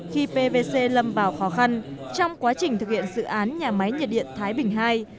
khi pvc lâm vào khó khăn trong quá trình thực hiện dự án nhà máy nhiệt điện thái bình ii